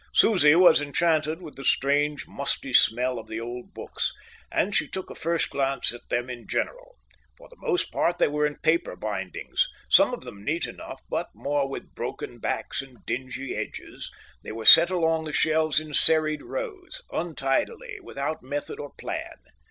Susie was enchanted with the strange musty smell of the old books, and she took a first glance at them in general. For the most part they were in paper bindings, some of them neat enough, but more with broken backs and dingy edges; they were set along the shelves in serried rows, untidily, without method or plan.